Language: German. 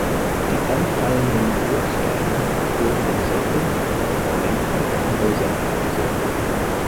Die anfallenden Bruchsteine wurde in Sockeln und Fundamenten von Häusern eingesetzt.